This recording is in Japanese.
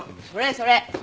それそれ！